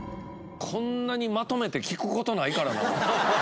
こんなにまとめて聞く事ないからな。